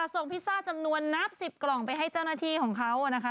พิซซ่าจำนวนนับ๑๐กล่องไปให้เจ้าหน้าที่ของเขานะคะ